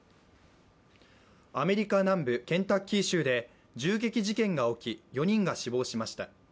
アメリカ南部ケンタッキー州で銃撃事件が起き、４人が死亡しました。